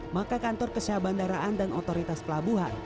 maka kantor kesehaban daraan dan otoritas pelabuhan